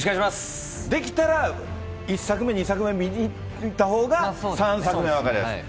できたら１作目、２作目見て行ったほうが、３作目、分かりやすい。